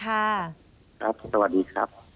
ครับสวัสดีครับ